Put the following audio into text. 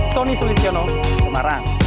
soni sulisiono semarang